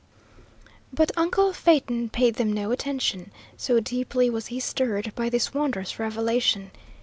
But uncle Phaeton paid them no attention, so deeply was he stirred by this wondrous revelation.